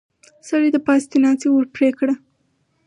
سړي د پاستي څنډه ور پرې کړه.